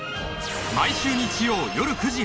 毎週日曜夜９時